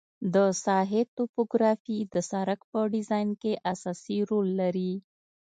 د ساحې توپوګرافي د سرک په ډیزاین کې اساسي رول لري